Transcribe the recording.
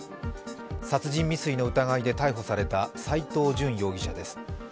殺人未遂の疑いで逮捕された斎藤淳容疑者です。